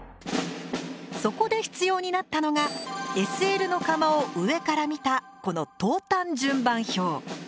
そこで必要になったのがＳＬの窯を上から見たこの投炭順番表。